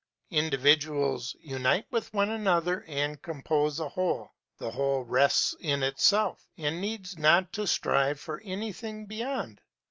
Individuals unite with one another and compose a Whole; the Whole rests in itself, and needs not to strive for anything beyond.